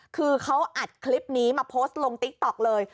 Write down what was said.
คือเขาอัดคลิปนี้มาโพสต์ลงติ๊กต๊อกเลย